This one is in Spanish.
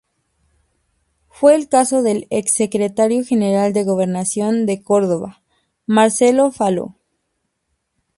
Fue el caso del ex-secretario General de la Gobernación de Córdoba, Marcelo Falo.